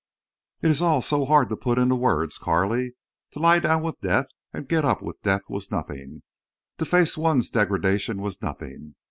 It is all so hard to put in words, Carley. To lie down with death and get up with death was nothing. To face one's degradation was nothing.